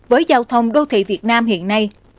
với giao thông đô thị việt nam hiện nay